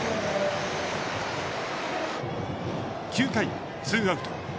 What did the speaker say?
９回、ツーアウト。